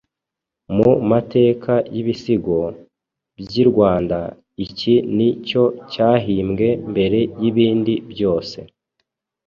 Mu mateka y’Ibisigo by’i Rwanda iki ni cyo cyahimbwe mbere y’ibindi byose.